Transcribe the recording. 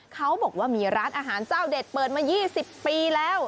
เขาบอกว่ามีร้านอาหารเจ้าเด็ดเปิดมา๒๐ปีแล้ว